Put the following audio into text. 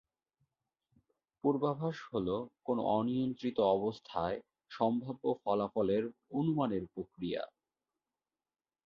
পূর্বাভাস হল কোনো অনিয়ন্ত্রিত অবস্থায় সম্ভাব্য ফলাফলের অনুমানের প্রক্রিয়া।